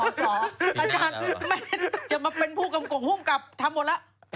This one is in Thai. อาจารย์จะมาเป็นผู้กำกับภูมิกับทำหมดแล้ว